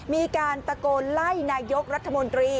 มีการตะโกนไล่นายกรัฐมนตรี